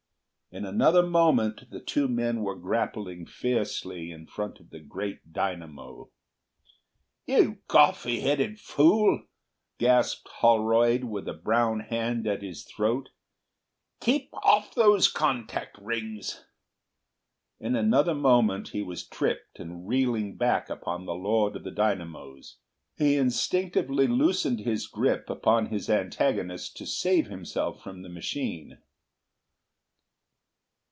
In another moment the two men were grappling fiercely in front of the great dynamo. "You coffee headed fool!" gasped Holroyd, with a brown hand at his throat. "Keep off those contact rings." In another moment he was tripped and reeling back upon the Lord of the Dynamos. He instinctively loosened his grip upon his antagonist to save himself from the machine.